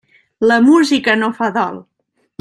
La música no fa dol.